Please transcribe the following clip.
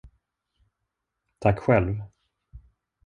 Tack själv.